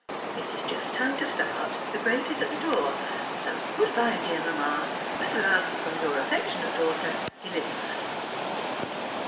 It is just time to start, the brake is at the door, so good bye, dear Mamma, with love from your affectionate daughter, Elizabeth.